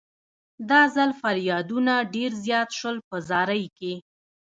دا ځل فریادونه ډېر زیات شول په زارۍ کې.